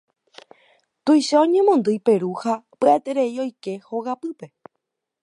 Tuicha oñemondýi Peru ha pya'eterei oike hogapýpe.